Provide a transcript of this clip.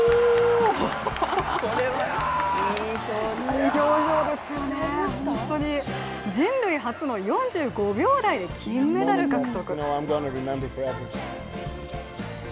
いい表情ですよね、本当に人類初の４５秒台で金メダル獲得。